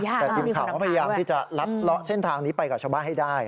แต่ทีมข่าวก็พยายามที่จะลัดเลาะเส้นทางนี้ไปกับชาวบ้านให้ได้